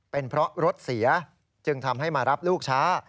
เป็นเพราะรถเสียจึงทำให้มารับลูกช้า